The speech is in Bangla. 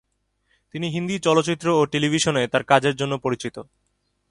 তিনি হিন্দি চলচ্চিত্র ও টেলিভিশনে তার কাজের জন্য পরিচিত।